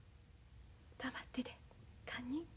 黙ってて堪忍。